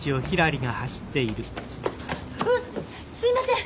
うっすいません！